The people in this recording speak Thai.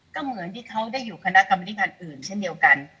ก็เหมือนที่เขาได้อยู่คณะกรรมนิการอื่นเช่นเดียวกัน